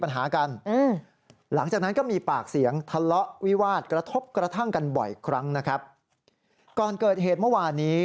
หลังเกิดเหตุภรรยาแจ้ง